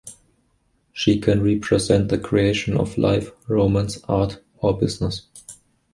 She can represent the creation of life, romance, art, or business.